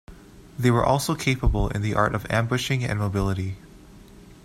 They were also capable in the art of ambushing and mobility.